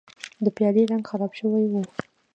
د پیالې رنګ خراب شوی و.